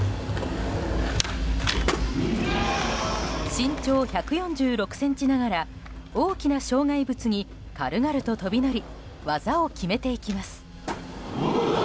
身長１４６ｃｍながら大きな障害物に軽々と飛び乗り技を決めていきます。